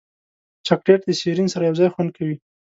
چاکلېټ د سیرین سره یوځای خوند کوي.